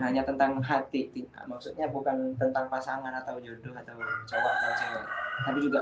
hanya tentang hati tidak maksudnya bukan tentang pasangan atau judul atau cowok cowok tapi juga